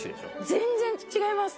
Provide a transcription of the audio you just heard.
全然違います！